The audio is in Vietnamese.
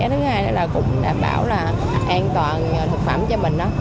thứ hai là cũng đảm bảo là an toàn thực phẩm cho mình